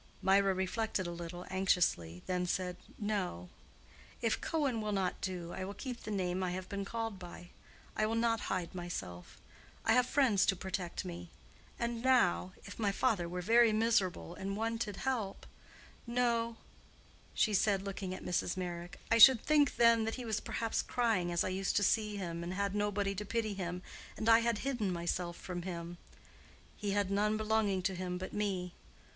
Mirah reflected a little, anxiously, then said, "No. If Cohen will not do, I will keep the name I have been called by. I will not hide myself. I have friends to protect me. And now—if my father were very miserable and wanted help—no," she said, looking at Mrs. Meyrick, "I should think, then, that he was perhaps crying as I used to see him, and had nobody to pity him, and I had hidden myself from him. He had none belonging to him but me.